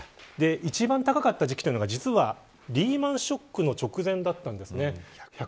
一番高かった時期というのは実はリーマンショックの直前だったんです。